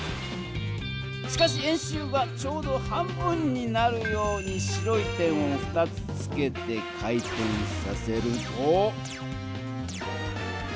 しかし円周はちょうど半分になるように白い点を２つつけて回転させると。